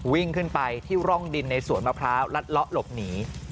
วิ่งขึ้นไปที่ร่องดินในสวนมะพร้าวลัดเลาะหลบหนี